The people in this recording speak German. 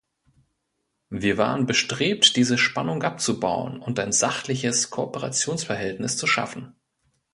Wir waren bestrebt, diese Spannung abzubauen und ein sachliches Kooperationsverhältnis zu schaffen.